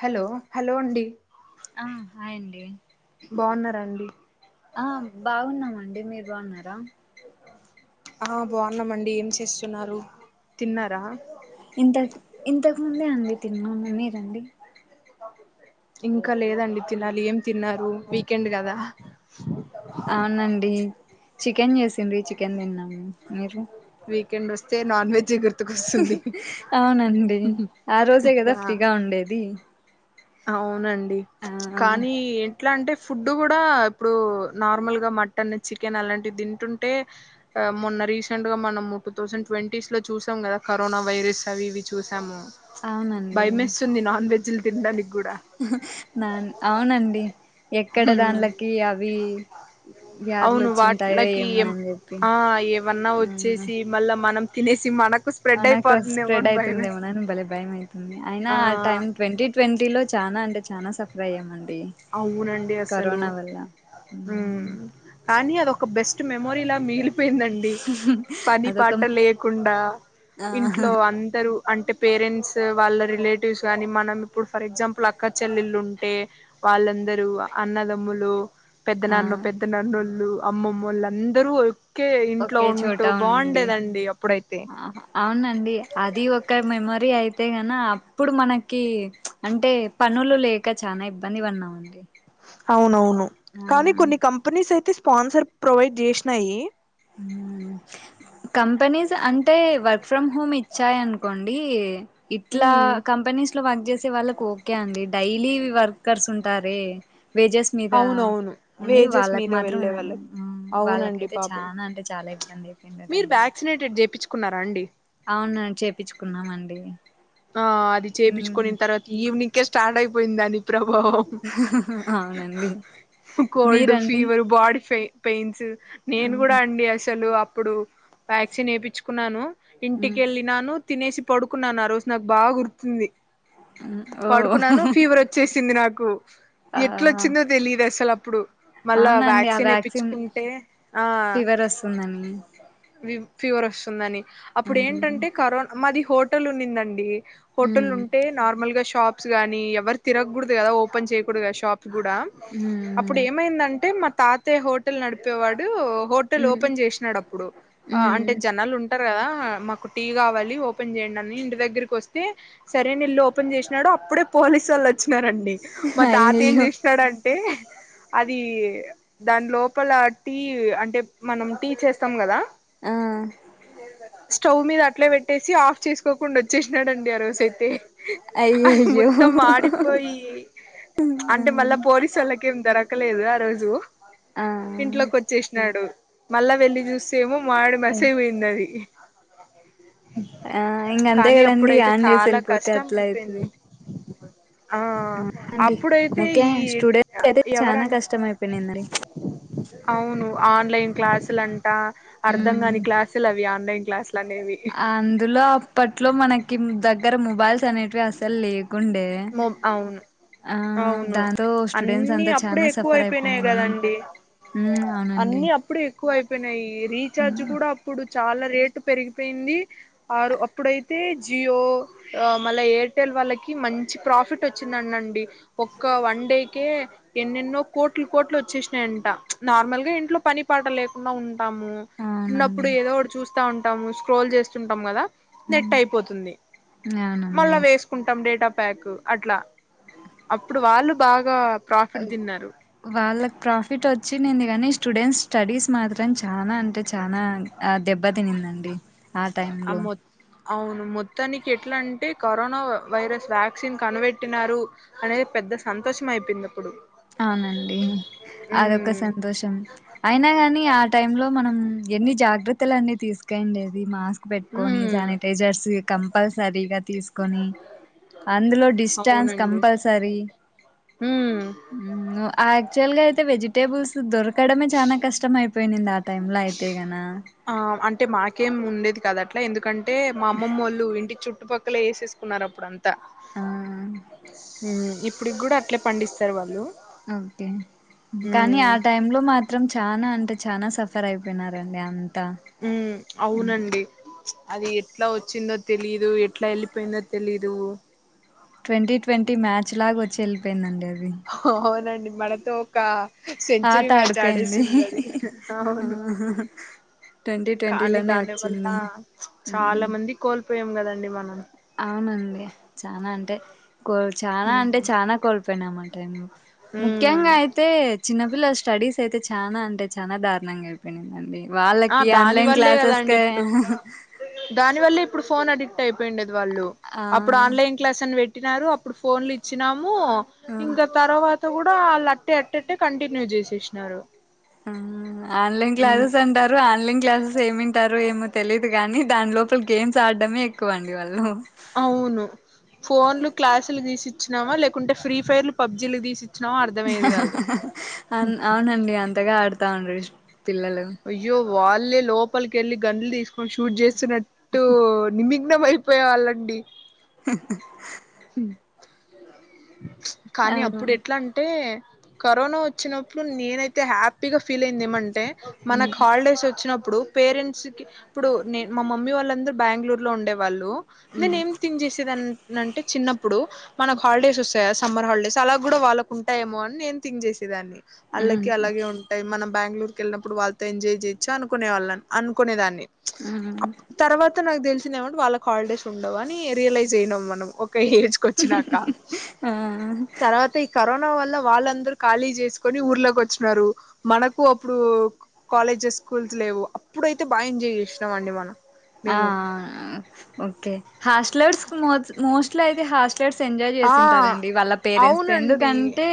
Hello hello అండి ఆ hi అండి బాగున్నా రండి ఆ బాగున్నామండి మీరు బాగున్నారా ఆ బాగున్నామండి ఏం చేస్తున్నారు తిన్నారా ఇంత ఇంతకుముందే అండి తిన్న మీరండి ఇంకా లేదండి తినాలి ఏం తిన్నారు వీకెండ్ కదా అవునండి చికెన్ చేసింది చికెన్ తిన్నాము మీరు వీకెండ్ వస్తే నాన్ వెజ్ ఇగ అవునండి ఆ రోజే కదా ఫ్రీగా ఉండేది అవునండి ఆ కానీ ఎట్లా అంటే ఫుడ్ కూడా ఇప్పుడు నార్మల్ గా మటన్ చికెన్ అలాంటివి తింటుంటే ఆ మొన్న రీసెంట్ గా మనము టూ థౌసండ్ ట్వంటీస్ లో చూసాం కదా కరోనా వైరస్ అవి ఇవి చూసాము అవునండి భయం వేసుతుంది నాన్ వెజ్ లు తిండానికి ఉహు నాన్ అవునండి ఎక్కడ దానిలకి అవి వ్యాధులు అవును వాట్ వచ్చింటాయో లకి ఏమ్ ఏమోనని చెప్పి ఆ ఏమన్నా వచ్చేసి మళ్ళా మనం తినేసి మనకు స్ప్రెడ్ మనకు అద్ అయిపోతుందేమో స్ప్రెడ్ అని భయం అయితుంది ఏమో వేస్తుంది నానీ బలే భయం అయితుంది అయినా ఆ టైం ట్వంటీ ట్వంటీ లో చానా అంటే చానా సఫర్ అయ్యమండి అవునండి అసలు ఉ మ్మ్ కానీ అది ఒక్క బెస్ట్ టు మెమోరి లా మీలు పోయిందండి పని అదొక పాట లేకుండా ఆ ఇంట్లో అందరూ అంటే పేరెంట్స్ వాళ్ళ రిలేటివ్స్ గానీ మనం ఇప్పుడు ఫర్ ఎగ్జాంపుల్ అక్క చెల్లిళ్ళు ఉంటే వాళ్ళందరూ అన్నదమ్ములు పెద్ద ఆ నన్ను పెద్ద నన్నుళ్ళు అమ్మమ్మ వోల్లు అందరూ ఒకే ఇంట్లో ఒకే చోట ఉంటూ ఉండి బాగుండేదండి అప్పుడు అయితే అవునండి అది ఒక మెమొరీ అయితే గాన అప్పుడు మనకి అంటే పన్ పనివోల్లు లేక చాలా ఇబ్బంది వన్నామ్ అండి అవునవును కానీ కొన్ని కంపెనీస్ అయితే స్పాన్సర్ ప్రొవైడ్ చేసినాయి ఉ కంపెనీస్ అంటే వర్క్ ఫ్రమ్ హోమ్ ఇచ్చాయనుకోండి ఇట్లా ఉమ్ కంపె కనీస్ లో వర్క్ చేసే వాళ్ళకి ఓకే అండి డైలీ వర్కర్స్ ఉంటారే వేజెస్ మీద అవునవును ఉండి వేజెస్ వాళ్ళకి మీద మాత్రం వెళ్ళే వాళ్ళకి అవునండి వాళ్ళకైతే చెప్పు పాపం తానా అంటే చాలా ఇబ్బంది అయిపోయిందిఅట అండి అప్పుడు కున్నారా అండి అవునా చేపించుకున్నాము అండి ఆ అది చేయించుకోనిన్ తర్వాత ఈవినింగ్కే స్టార్ట్ అయిపోయింద దాని ప్రభు ఓహఓ అవునండి కోల్డ్ మీరండి ఫీవర్ బాడీ పెయిన్స్ నేను కూడా మ్మ్ అండి అసలు ఇప్పుడు వ్యాక్సిన్ వేయిచ్చుకున్నాను ఇంటికి మ్మ్ వెళ్ళినాను తినేసి పడుకున్నాను ఆ రోజు నాకు బాగా గుర్తుంది మ్మ్ ఓ పడుకున్నాను ఫీవర్ వచ్చేసింది నాకు కు ఆ ఎట్ల వచ్చిందో తెలియదు అసలు అప్పుడు మళ్ళా అవునండి ఆ వ్యాక్సిన్ ఏప్పించుకుంటే ఆ ఫీవర్ వస్తుందని మీకు ఫీవర్ వస్తుందని అప్పుడు ఏంటంటే కరోనా మాది హోటల్ ఉన్నిందండి హోటల్ ఉంటే నార్మల్ గా షాప్స్ గానీ ఎవరు తిరగకూడదు కదా ఓపెన్ చేయకూడదు కదా షాప్ గూడా అప్పుడు ఏమైందంటే మా తాతయ్య హోటల్ నడిపేవాడు డు హోటల్ ఓపెన్ జేసినాడు అప్పుడు అంటే జనాలు ఉంట కదా మాకు టీ కావాలి ఓపెన్ చేయండి అని ఇంటి దగ్గరకి వస్తే సరే ఏల్ ఓపెన్ చేసినాడో అప్పుడే పోలీసు వాళ్ళు వచ్చినారండి మా తాత ఏం అయ్యయ్యో చేసినాడంటే అది దాని లోపల టీ అంటే మనం టీ చేస్తాం కదా ఆ స్టవ్ మీద అట్లా పెట్టేసి ఆఫ్ చేసుకోకుండా వచ్చేసినాడండి ఆ రోజు అయితే అది అయ్యయ్యో మొత్తం మాడిపోయి అంటే మళ్ళా పోలీసు వాళ్లకి ఇంకేం దొరకలేదు ఆ రోజు ఆ ఇంట్లోకి వచ్చేసినాడు మళ్ళా వెళ్లి చూసు సేమో మాడి మసే పోయింది అది ఆ హింగ్ అంతే కానీ కదండీ అప్పుడైతే అన్ చేసి చాలా వెళ్ళిపోతే కష్టం అట్ల అయితది అయిపోయింది ఆ అండి అప్పుడైతే ఓకే ఈ స్టూడెంట్స్ అయితే చానా ఎవరన్ కష్టం అయిపోయినందండి అవును ఆన్లైన్ క్లాసులంటా అర్ధం కాని క్లాసులు అవి ఆన్లైన్ క్లాసులు అనేవి అందులో అప్పట్లో మనకి దగ్గర మొబైల్స్ అనేటివి అసలు లేదు కుండే మొ అవును ఆ అవును దాంతో స్టూడెంట్స్ అన్ని అంత అప్పుడే చాన ఎక్కువ సఫర్ అయిపోయినాది మ్యామ్ అన్నిీ అప్పుడు ఎక్కువయిపోయినాయి రీచార్జ్ కూడా అప్పుడు చాల రేటు పెరిగిపో యింది అప్పుడైతే జియో మళ్ళ ఎయిర్టెల్ వాళ్ళకి మంచి ప్ర పఫిట్ వచ్చిందండండి ఒక్క వన్ డే కె ఎన్నెన్నో కోట్లు కోట్లు వచ్చేసినాయంట నార్మల్గా ఇంట్లో పని పాట లేకుండా ఉంటాము అవునండి ఉన్నప్పుడు ఏదో ఒకటి చూసి చూస్తా ఉంటాము స్క్రోల్ చేస్తుంటాము కదా నెట్ ఉమ్, అయిపోతుంది అవునండి మళ్ళా వేసుకుంటాం డేట ప్యాక్ అట్ల అప్పుడు వాళ్ళు బాగ వాళ్ళక్ ప్రాఫిట్ వచ్చింది కాని స్టూడెంట్స్ స్టడీస్ మాత్రం చానా అంటే చానా దెబ్బతినింది అవునండి ఆ టైమ్ లో అవును మొత్తానికి ఎట్ల అంటే కరోన వైరస్ వ్యాక్సిన్ కనిబెట్టినారు అనేది పెద్ద్ పెద్ద సంతోషం అయిపోయిందప్పుడు అవునండి అదొక సంతోషం అయినా గాని ఆ టైమ్లో మనం ఎన్ని జాగ్రత్తలన్నిీ తీసుకండేది మాస్క్ పెట్టుకొని ఉమ్ శానిటైజర్స్ కంపల్సరిగా తీసుకొని అందులో డిస్టాన్స్ అవునండి కంపల్సరీ ఉమ్ మ్ అ యాక్చువల్ గా అయితే వెజిటేబుల్స్ దొరకడమే చాలా కష్టంమయిపోయినంది టైమ్లో అయితే గనా ఆ అంటే మాకేం ఉండేది కాద్ అట్ల ఎందుకంటే మా అమ్మమ్మ వోళ్ళు ఇంటి చుట్టూ చుట్టుపక్కల వేసేసుకున్నారు అప్పుడు అంతా ఆ మ్ ఇప్పుడికి కూడ అట్లే పండిస్తారు వాళ్ళు ఓకే కానీ ఉమ్ ఆ టైమ్లో మాత్రం చాన అంటే చానా సఫర్ అయిపోయినారండి అం ఉమ్ అవునండి అది ఎట్ల వచ్చిందో తెలీదు ఎట్ల వెళ్ళిపోయిందో తెలీదు ట్వంటీ ట్వంటీ మ్యాచ్ లాగ వచ్చి వెళ్ళిపోయిందండి అది అవునండి మనతో ఒక సెంచరీ ఆట మ్యాచ్ ఆడుకైంది ఆడేసింది అది అవును [unintelligible] కానీ ట్వంటీలోనే దాని వల్ల వచ్చింది చాల హ్మ్ మంది కోల్పోయాం కదండి మనం అవునండి చాన అంటే కో చానా అంటే చానాా కోల్పోయినామా టైంలో ముఖ్యంగ ఉమ్ అయితే చిన్న పిల్ల స్టడీస్ అయితే చా నా అంటే చాలా దారుణంగా అయిపోయిందండి ఆ దాని వల్లే కదా అండి ఇప్పుడు దాని వల్లే ఇప్పుడు ఫోన్ ఆడిట్ అయిపోయిండది వాళ్ళు అప్పుడు ఆ ఆన్లైన్ క్లాస్ అని పెట్టినారు అప్పుడు ఫోన్లు ఇచ్చినాం ము ఆ ఇంకా తర్వాత కూడా వాళ్ళు అట్టే అట్టట్టే కంటిన్యూ చేసేసినారు ఆన్లైన్ ఉమ్ క్లాసెస్ అంటారు ఆన్లైన్ క్లాసెస్ ఏమింటారు ఏమె తెలీదు కాని దాని లోపల గేమ్స్ ఆడ్డమే ఎక్కువ అండి వాళ్ళు అవును ఫోన్లు క్లాసులు తీసిచ్చినావా లేకుంటే ఫ్రీ ఫైర్లు పబ్జీలు తీసియి అ అవునండి అంతగా ఆడు తాండ్రు అయ్యో వాళ్ళే లోపలిక వెళ్ళి గండ్లు తీసుకొని షూట్ చేస్తున్నట్టు నిమ్మి గ్న మయిపోయే వాల్లండి [unintelligible] కానీ అప్పుడు అవును ఎట్లా అంటే కరోన వచ్చినప్పుడు నేనైతే హ్యాపీగా ఫీల్ అయింది ఏమంటే మనకు ఉమ్ హాలిడేస్ వచ్చినప్పుడు ఇప్పుడు పేరెంట్స్కి ఇప్పుడు నే మా మమ్మీ వాళ్ళందరు బెంగళూరులో ఉండే వాళ్ళు నేను ఏమ్ థింక్ చేసే దాన్ని అంటే చిన్నప్పుడు మనకు హాలిడేస్ వస్త్ టయా సమ్మర్ హాల్ డేస్ అలా కూడా వాళ్ళకు ఉంటాయే ఎమో అని నేను థింక్ చేసేదాన్ని అళ్ళకి ఉమ్ అలాగే ఉంటాయి మనం బ్యాంగ్ళూరుకి ఏళ్ నప్పుడు వాళ్ తో ఎంజాయ్ చేయచ్చా అనుకునే వాళ్ళని అనుకునే దాన్ని హు అంత నాకు తెలిసిన ఏ మోంట్ వాళ్ళ క్ హాల్ డేస్ ఉండవ అని రియలైజ్ అయినామ్ మనం ఓ ఒక ఏజ్ క్ కోచ్చినాక ఆ తర్వాత ఈ కరోన్ న వల్ల వాళ్ళ అందరూ ఖాళీ చేసుకొని ఊర్లోకి కొచ్చిన్నారు మనకు అప్పుడు కాలేజెస్ స్కూల్స్ లేవు అప్పుడు అయితే బాగా ఎంజాయ్ చేసినామ్ అండి మనం మేము ఆఆఆ ఓకే హాస్ట్ల్స్ మోస్ట్ మోస్ట్లీ అయితే హాస్ట్ లెట్స్ ఎంజాయ్ ఆ చేసింటార్ అండి వాళ్ళ పేరెంట్స్ అవునండి ఎందుకంటే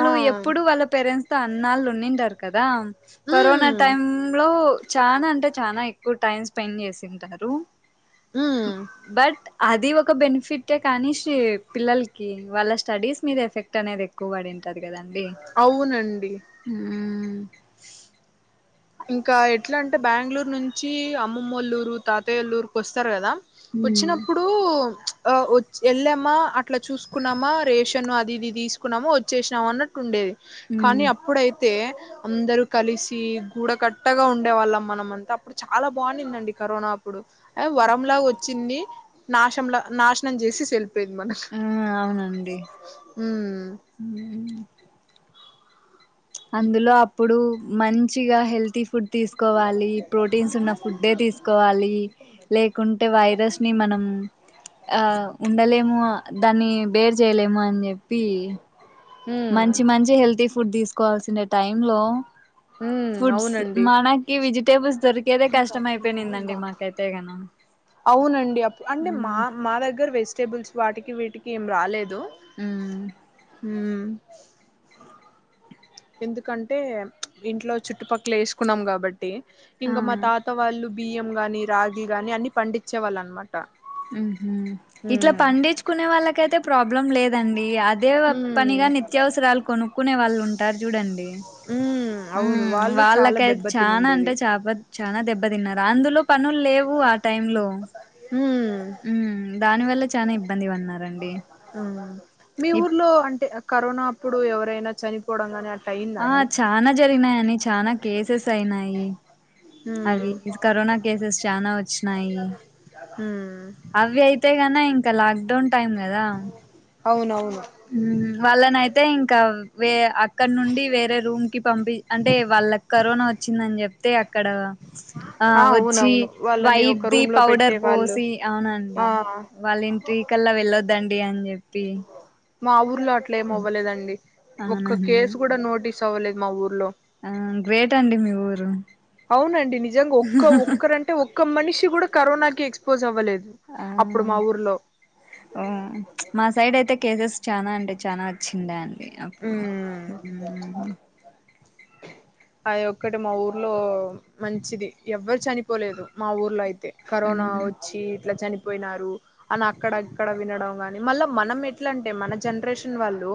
ఆ ఎప్పుడు వాళ్ళ పేరెంట్స్ త అన్నాళ్ళు ఉండి ఉంటారు కదా కరోనా ఉమ్ టైమ్ లో చానా అంటే చానా ఎక్కువ టైం స్పెండ్ చేసి ఉంటారు ఉమ్ బట్ అది ఒక బెనిఫిటే కానీష్ పిల్లలకి వాళ్ళ స్టడీస్ మీద ఎఫెక్ట్ అనేది ఎక్కువ పడి ఉంటది కదా అండి అవునండి ఆ ఇంకా ఎట్లా అంటే బ్యాంగ్ళూరు నుంచి అమ్మమ్మ వాల్లూఊరు తాతయ్య వాల్లూ ఊరుకి వస్తారు కదా మ్మ్ వచ్చినప్పుడు ఆ వెళ్ళామా అట్లా చూసుకున్నామా రేషన్ అది ఇది తీసుకున్నాము వచ్చేషాము అన్నట్టు ఉండేది కానీ మ్మ్ అప్పుడు అయితే అందరూ కలిసి కూడకట్టగా ఉండేవాళ్ళం మనం అంతా అప్పుడు చాలా బావుండిదఅండి కరోనా అప్పుడు ఏ వరంలాగా వచ్చి ఉంది నాషం ల నాశనం చేసేసి వెళ్లి పేద్ మనక్ ఆ అవునండి మ్మ్ మ్మ్ అందులో అప్పుడు మంచిగా హెల్ది ఫుడ్ తీసుకోవాలి ప్రోటీన్స్ ఉన్న ఫుడ్డే తీసుకోవాలి లేకుంటే వైరస్ ని మనం ఆ ఉండలేము అ దాన్ని బేర్ చేయలేము అని చెప్పి ఉమ్ మంచి మంచి హెల్ది ఫుడ్ తీసుకోవాల్సిన టైమ్ లో ఉమ్ ఫుడ్స్ అవునండి మనకి వెజిట్ దొరికేదే కష్టం అయిపోయింద అండి మాకైతే గానో అవున అండి అప్పుడు అంటే మా మా దగ్గర వేస్ టేబుల్స్ వాటికి వీటికి ఏమ్ రాలేదు ఉమ్ మ్ ఎందుకంటే ఇంట్లో చుట్టుపక్కల వేసుకున్నాం కాబట్టి టి ఇంకా మా ఆ తాత వాళ్ళు బియ్యం గాని రాగి గాని అన్ని పండించే వాళ్ అన్ మాట ఉహు ఇట్లా పండించుకునే వాళ్ళక అయితే ప్రాబ్లం లేదండి అదే మ్మ్ పనిగా నిత్యావసరాలు కొనుక్కునే వాళ్ళు ఉంటారు చూడండి మ్మ్ మ్ అవును మ్ వాళ్ళు చాలా వాళ్ళకఅయితే చానా అంటే దెబ్బతినిండేది చప చాన దెబ్బ తిన్నారు అందులొ పనుల్ లేవు ఆ టైమ్ లో మ్మ్ మ్ దాని వల్లా చనా ఇబ్బంది పన్నార అండి మీ ఊర్లో అంటే కరోనా అప్పుడు ఎవరైనా చనిపోవడం గాని అట్ ఆ చానా జరిగినాయీ అని చానా కేసెస్ అయినాయి అవి మ్మ్ కరోనా కేసెస్ చానా వచ్చినాయి మ్మ్ అవే అయితే కన ఇంకా లాక్డౌన్ టైం కదా అవును అవును మ్ వాళ్ళనైతే ఇంకా వే అక్కడ నుండి వేరే రూమ్ కి పంపి అంటే వాళ్ళకి కరోనా వచ్చింద అని చెప్తే అక్కడ ఆ వచ్చి అవునవును వాళ్ళని ఒక వైట్దిి రూమ్ లో పెట్టే పౌడర్ వాళ్ళు పోసి అవున ఆ అండి వాళ్ళ ఇంటి కల్లా వెళ్ళొద్ద అండి అని చెప్పి మా ఊర్లో అట్లా ఏం అవ్వలేద అండి ఒక్క అవునండి కేసు కూడా నోటీస్ అవ్వలేదు మా ఊర్లో ఆ గ్రేట్ అండి మీ ఊరు అవున అండి నిజంగా ఒక్క ఒక్కరంటే ఒక్క మనిషి కూడా కరోనాకి ఎక్స్పోజ్ అవ్వలేదు ఆఓ అప్పుడు మా ఊర్లో మా సైడ్ అయితే కేసెస్ చానా అంటే చనా వచ్చి ఉండాయి అండి అప్పుడు ఉమ్ అది ఒక్కటి మా ఊర్లో మంచిది ఎవ్వరు చనిపోలేదు మా ఊర్లో అయి తె కరోనా మ్మ్ వచ్చి ఇట్లా చని పోయినారు అని అక్కడ అక్కడ వినడం గాని మళ్ళా మనం ఎట్లాంటే మన జనరేషన్ వాళ్ళు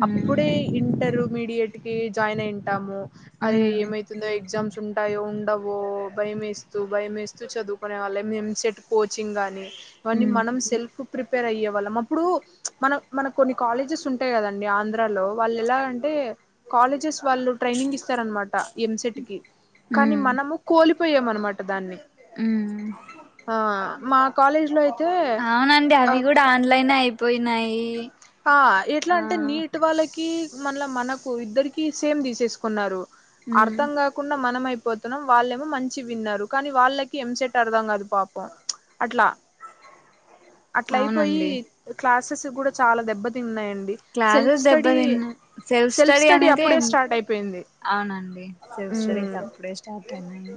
మ్మ్ అప్పుడే ఇంటర్మీడియట్ కి జాయిన్ అయింటాము. అదే మ్మ్ ఏమైతుందో ఎగ్జామ్స్ ఉ ఉంటాయో ఉండవో భయం వేస్తు భయం వేస్తు చదువుకునే వాళ్ళం ఎంసెట్ కోచింగ్ గాని ఇవన్ని మ్మ్ మనం సెల్ఫ్ ప్రిపేర్ అయ్యే వాళ్ళం అప్పుడు చ్ మన మనకు కొన్ని కాలేజెస్ ఉంటాయి కదండి ఆంధ్రాలో వాళ్ళు ఎలాగంటే కాలేజెస్ వాళ్ళు ట్రైనింగ్ ఇస్తారనమాట ఎంసెట్ కి కానీ మ్మ్ మనము కోలిపోయామనమాట దాన్ని మ్మ్ ఆ మా కాలేజ్ లో అయి అవునండి అవి కుడా ఆన్లైనే అయిపోయినాయి ఆ ఎట్ల ఆ అంటే నీట్ వాళ్ళ కి మళ్ళ మనకు ఇద్దరికి సేమ్ తీసేసుకున్నారు ఉమ్ అర్థం కాకుండా మనం పోతున్నాం వాళ్ళేమో మంచి విన్నారు కానీ వాళ్ళకి ఎంసెట్ అర్థం కాదు పాపం చ్ అట్లా అట్ల అయిపోయి అవునండి క్లాసెస్ గుడా చాలా దెబ్బతిన్నాయ అండి సెల్ఫ్ క్లాసెస్ స్టడి దెబ్బతిన్నాయి సెల్ఫ్ స్టడీ స్టడి అనేది అప్పుడే స్టార్ట్ అయిపోయింది. అవునండి సెల్ఫ్ స్టడీస్ ఉమ్ అప్పుడే స్టార్ట్ అయినాయి.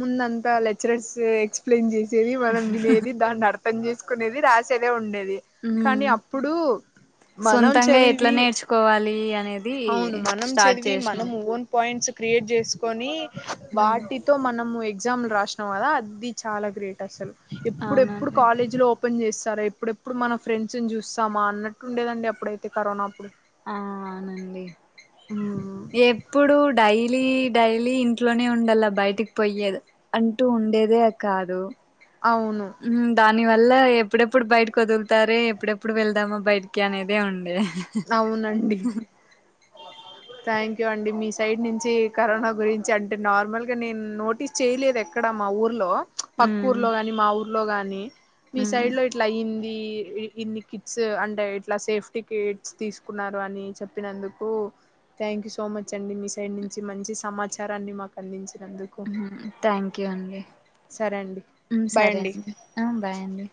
ముందంతా లెక్చరర్స్ ఎక్సప్లయిన్ చేసేది మనం వినేది దాన్ని అర్ పని చేేసుకునేది రాసేదే ఉండేది కనీ ఉమ్ అప్పుడు మనం సొంతంగా ఎట్లా చదివి నేర్చుకోవాలి అనేది అవును మనం స్టార్ట్ చదివి మనం చేసినాం ఓన్ ప పాయింట్స్ క్రియేట్ చేసుకొని ఉమ్ వాటితో మనము ఎగ్జామ్లు రాసినం కదా అది చాలా గ్రేట్ అసలు ఎప్పుడెప్పుడు అవునండి కాలేజిలో ఓపెన్ చేస్ స్తారో ఎప్పుడెప్పుడు మన ఫ్రెండ్స్ ను చూస్తామా అన్నట్టు ఉండేదండి అప్పుడైతే కరోనా అప్పుడు ఆ అవునండి ఎప్పుడు డై లీ డైలీ ఇంట్లోనే ఉండాల బయటికి పోయేదె అంటూ ఉండేదే కాదు. అవును నీ వల్ల ఎప్పుడెప్పుడు బయటకి వదులుతారె ఎప్పుడెప్పుడు వెళ్దామా బయటికి అనేదే ఉండే అవునండి థ్యాంక్ యూ అండి మీ సైడ్ నుంచి కరోనా గురించి అంటే నార్మల్గా నేను నోటీస్ చేయలేదు ఎక్కడ మా ఊర్లో చ్ పక్క మ్మ్ ఊర్లో గాని మా ఊర్లో గాని మీ సైడ్ మ్మ్ లో ఇట్లా అయిం ది ఇన్ని కిట్స్ అంటే ఇట్ల సేఫ్టీ కిట్స్ తీసుకున్నారు అని చెప్పినందుకు థ్యాంక్ యూ సో మచ్ అండి మీ సైడ్ నుంచి మంచి సమాచారాన్ని మాకు అందించ హ్మ్ థ్యాంక్ యూ అండి సరే అండి హ్మ్ సరే అండి ఆ బాయండి